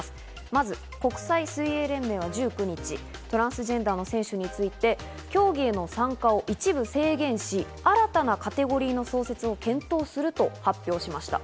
まず国際水泳連盟は１９日、トランスジェンダーの選手について協議への参加を一部制限し、新たなカテゴリーの創設を検討すると発表しました。